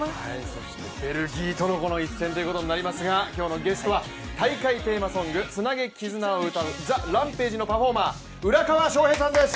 そしてベルギーとのこの一戦ということになりますが今日のゲストは大会テーマソング「ツナゲキズナ」を歌うＴＨＥＲＡＭＰＡＧＥのパフォーマー、浦川翔平さんです。